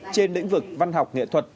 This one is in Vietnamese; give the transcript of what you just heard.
trên lĩnh vực văn học nghệ thuật